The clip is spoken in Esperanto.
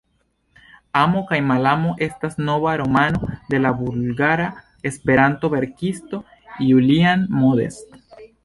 Amo kaj malamo estas nova romano de la bulgara Esperanto-verkisto Julian Modest.